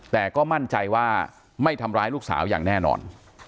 แต่ก็มั่นใจว่าไม่ทำร้ายลูกสาวอย่างแน่นอน